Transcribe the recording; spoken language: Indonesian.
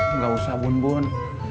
enggak usah bun bun